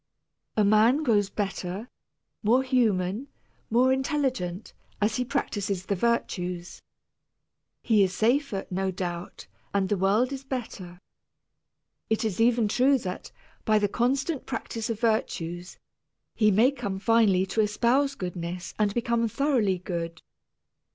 A man grows better, more human, more intelligent, as he practices the virtues. He is safer, no doubt, and the world is better. It is even true that, by the constant practice of virtues, he may come finally to espouse goodness and become thoroughly good.